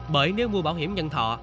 bởi nếu mua bảo hiểm nhận thọ